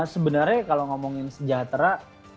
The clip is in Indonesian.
sebenarnya kalau ngomongin sejahtera